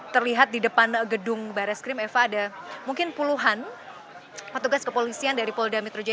terlihat di depan gedung barreskrim eva ada mungkin puluhan petugas kepolisian dari polda metro jaya